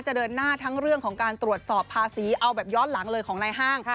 เดินหน้าทั้งเรื่องของการตรวจสอบภาษีเอาแบบย้อนหลังเลยของนายห้าง